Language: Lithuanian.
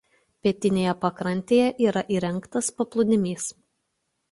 Pietinėje pakrantėje yra įrengtas paplūdimys.